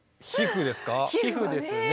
皮膚ですね。